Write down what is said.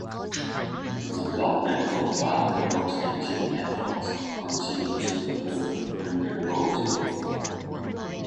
The development of other alternative methods continue to undergo development.